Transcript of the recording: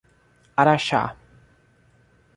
Araxá